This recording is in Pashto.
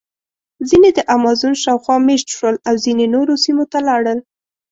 ځینې د امازون شاوخوا مېشت شول او ځینې نورو سیمو ته لاړل.